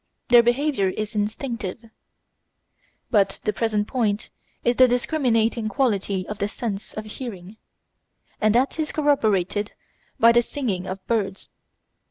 Their behaviour is instinctive. But the present point is the discriminating quality of the sense of hearing; and that is corroborated by the singing of birds.